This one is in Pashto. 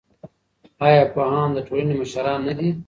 ایا پوهان د ټولنې مشران نه دي؟